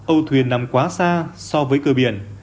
âu thuyền nằm quá xa so với cơ biển